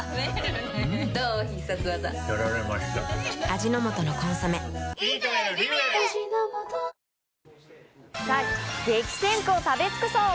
味の素の「コンソメ」激戦区を食べつくそう！